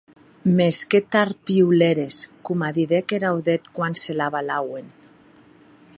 Mès que tard piulères, coma didec er audèth quan se l’avalauen.